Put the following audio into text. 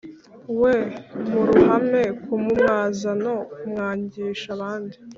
we mu ruhame, kumumwazano kumwangisha abandi